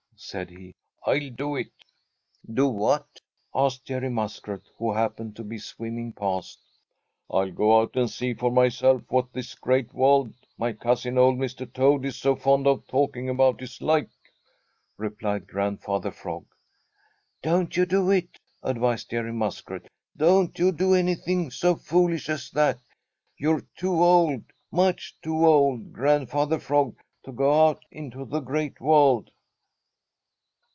said he. "I'll do it!" "Do what?" asked Jerry Muskrat, who happened to be swimming past. "I'll go out and see for myself what this Great World my cousin, old Mr. Toad, is so fond of talking about is like," replied Grandfather Frog. "Don't you do it," advised Jerry Muskrat. "Don't you do anything so foolish as that. You're too old, much too old, Grandfather Frog, to go out into the Great World."